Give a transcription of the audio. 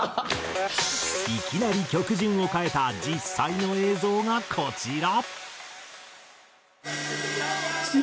いきなり曲順を変えた実際の映像がこちら。